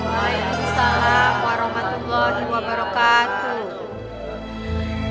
waalaikumsalam warahmatullahi wabarakatuh